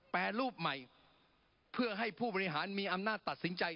แปรรูปใหม่เพื่อให้ผู้บริหารมีอำนาจตัดสินใจ